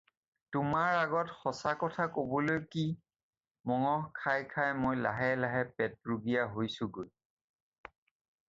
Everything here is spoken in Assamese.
তোমাৰ আগত সঁচা কথা ক'বলৈ কি, মঙহ খাই মই লাহে লাহে পেটৰুগীয়া হৈছোগৈ।